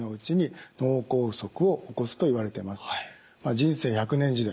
人生１００年時代